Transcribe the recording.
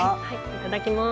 いただきます。